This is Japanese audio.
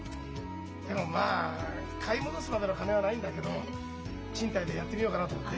でもまあ買い戻すまでの金はないんだけど賃貸でやってみようかなと思って。